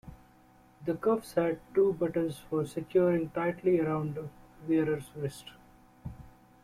The cuffs had two buttons for securing tightly around a wearer's wrist.